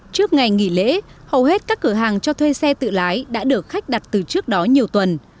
trước ngày nghỉ lễ hầu hết các cửa hàng cho thuê xe tự lái đã được khách đặt từ trước đó nhiều tuần